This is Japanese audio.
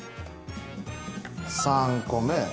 ３個目。